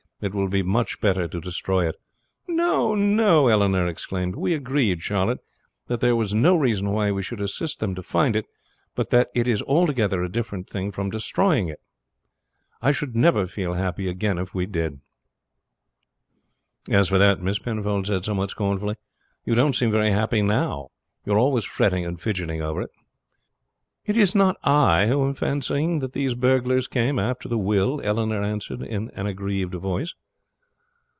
It will be much better to destroy it." "No, no!" Eleanor exclaimed. "We agreed, Charlotte, that there was no reason why we should assist them to find it; but that is altogether a different thing from destroying it. I should never feel happy again if we did." "As for that," Miss Penfold said somewhat scornfully, "you don't seem very happy now. You are always fretting and fidgeting over it." "It is not I who am fancying that these burglars came after the will," Eleanor answered in an aggrieved voice.